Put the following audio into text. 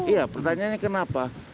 iya pertanyaannya kenapa